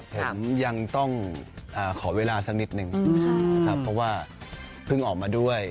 ผมยังต้องขอเวลาสักนิดนึงนะครับเพราะว่าเพิ่งออกมาด้วย